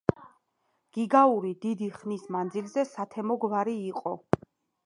გიგაური დიდი ხნის მანძილზე სათემო გვარი იყო.